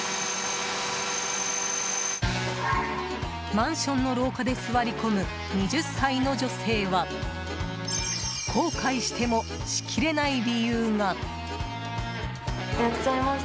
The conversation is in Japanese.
マンションの廊下で座り込む２０歳の女性は後悔してもしきれない理由が。